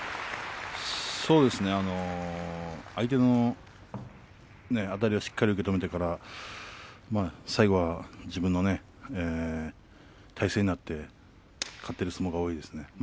そうですね相手のあたりをしっかりと受け止めてから最後は自分の体勢になって勝っている相撲が多いですね。